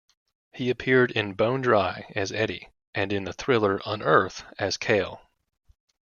He appeared in "Bone Dry", as Eddie and in the thriller "Unearthed", as Kale.